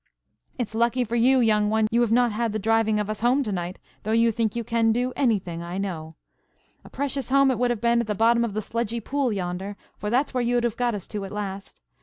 "It's lucky for you, young one, you have not had the driving of us home to night, though you think you can do anything, I know. A precious home it would have been at the bottom of the sludgy pool yonder, for that's where you'd have got us to at last.